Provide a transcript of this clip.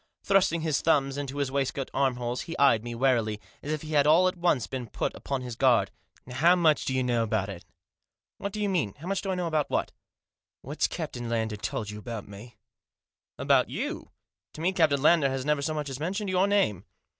Thrusting his thumbs into his Digitized by LUKE. 205 waistcoat armholes he eyed me warily, as if he had all at once been put upon his guard. " Now how much do you know about it ?"" What do you mean ? How much do I know about what?" " What's Captian Lander told you about me ?" u About you ? To me Captain Lander has never so much as mentioned your name."